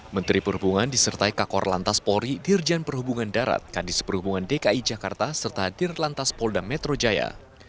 menteri perhubungan disertai kakor lantas polri dirjan perhubungan darat kandis perhubungan dki jakarta serta dir lantas polda metro jaya